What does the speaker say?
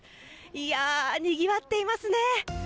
いやー、にぎわっていますね。